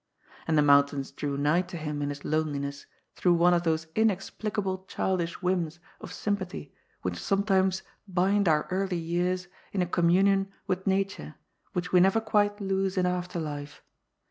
And the mount ains drew nigh to him in his loneliness through one of those inexplicable childish whims of sympathy which sometimes bind our early years in a communion with Nature, which we neyw quite lose in after life.